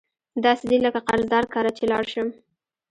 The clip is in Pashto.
داسي دي لکه قرضدار کره چی لاړ شم